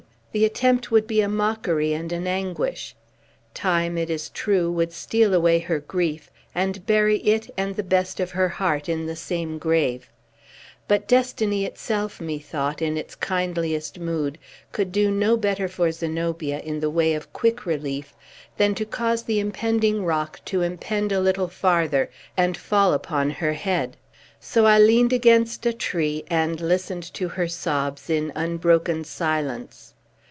The attempt would be a mockery and an anguish. Time, it is true, would steal away her grief, and bury it and the best of her heart in the same grave. But Destiny itself, methought, in its kindliest mood, could do no better for Zenobia, in the way of quick relief; than to cause the impending rock to impend a little farther, and fall upon her head. So I leaned against a tree, and listened to her sobs, in unbroken silence.